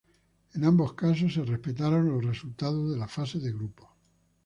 En ambos casos se respetaron los resultados de la fase de grupos.